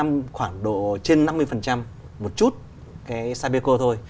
một chút cái sapeco thôi